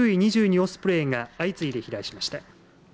オスプレイが相次いで飛来しました。